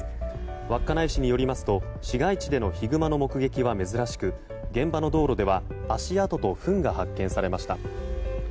稚内市によりますと市街地でのヒグマの目撃は珍しく現場の道路では足跡とフンが発見されました。